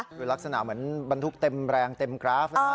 คือลักษณะเหมือนบรรทุกเต็มแรงเต็มกราฟ